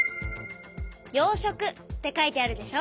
「養殖」って書いてあるでしょ。